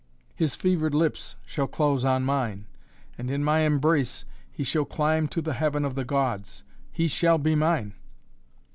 His fevered lips shall close on mine, and in my embrace he shall climb to the heaven of the Gods. He shall be mine!